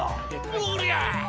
おりゃ！